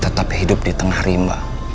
tetap hidup di tengah rimba